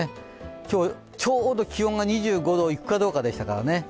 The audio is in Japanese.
今日、ちょうど気温が２５度いくかどうかでしたからね。